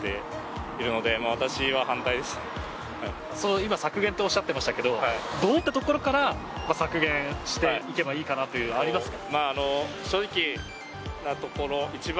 今、削減とおっしゃってましたけどどういったところから削減していけばいいかなとかありますか？